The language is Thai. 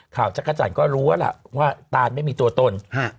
ข่าวก็รู้ว่าล่ะว่าต่านไม่มีตัวตน